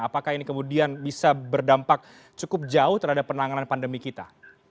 apakah ini kemudian bisa berdampak cukup jauh terhadap penanganan pandemi kita